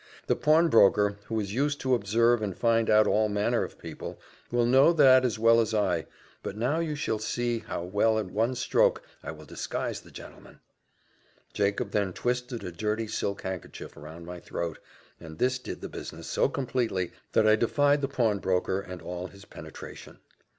The pawnbroker, who is used to observe and find out all manner of people, will know that as well as I but now you shall see how well at one stroke I will disguise the gentleman." Jacob then twisted a dirty silk handkerchief round my throat, and this did the business so completely, that I defied the pawnbroker and all his penetration.